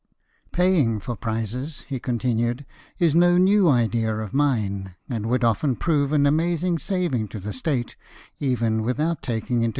Paying for prizes," he continued, " is no new idea of mine, and would often prove an amazing saving to the State, even without taking into 156 LIFE OF NELSON.